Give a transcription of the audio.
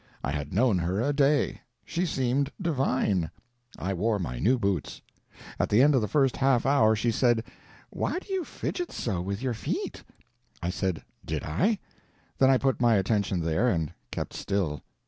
I had known her a day; she seemed divine; I wore my new boots. At the end of the first half hour she said, "Why do you fidget so with your feet?" I said, "Did I?" Then I put my attention there and kept still.